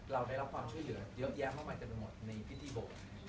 ถ้าเราได้รับความช่วยเยอะเยอะแยะมากมายจะเป็นหมดในพิธีโบบ